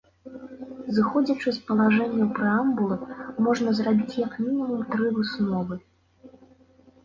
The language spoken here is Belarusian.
Зыходзячы з палажэнняў прэамбулы, можна зрабіць як мінімум тры высновы.